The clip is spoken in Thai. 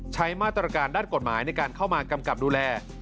ใช้มาตรการด้านกฎหมายในการเข้ามากำกับดูแล